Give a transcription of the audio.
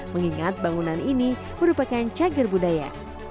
mengingat bangunan ini merupakan cagar budaya